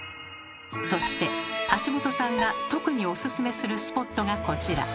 そして橋本さんが特にオススメするスポットがこちら！